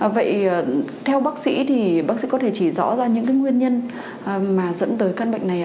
vậy theo bác sĩ thì bác sĩ có thể chỉ rõ ra những cái nguyên nhân mà dẫn tới căn bệnh này